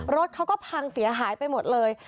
รถเขาก็พังเสียหายไปหมดเลย